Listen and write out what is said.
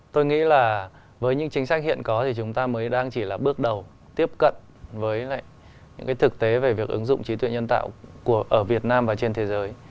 tôi nghĩ là với những chính sách hiện có thì chúng ta mới đang chỉ là bước đầu tiếp cận với lại những cái thực tế về việc ứng dụng trí tuệ nhân tạo ở việt nam và trên thế giới